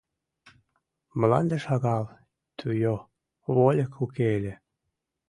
Мланде шагал, туйо, вольык уке ыле.